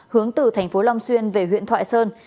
hướng từ thành phố long xuyên về huyện thoại sơn